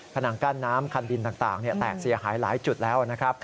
นังกั้นน้ำคันดินต่างแตกเสียหายหลายจุดแล้วนะครับ